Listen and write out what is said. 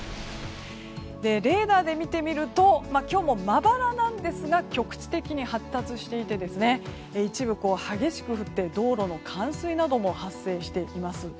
レーダーで見てみると今日もまばらなんですが局地的に発達していて一部、激しく降って道路の冠水なども発生しています。